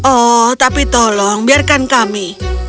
oh tapi tolong biarkan kami